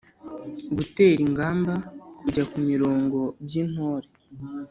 gutera ingamba: kujya ku mirongo by’intore